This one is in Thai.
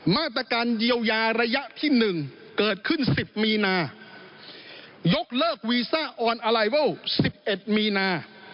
สรุป๑๘มีนา